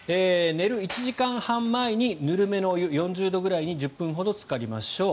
寝る１時間半前に、ぬるめのお湯４０度くらいに１０分ほどつかりましょう。